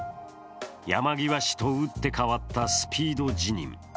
山際氏と打って変わったスピード辞任。